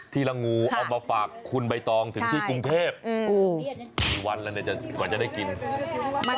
ที่ลางงูเอามาฝากคุณใบตองถึงที่กรุงเทพฯรักเสื้ออวันอาจที่เตอร์ฟ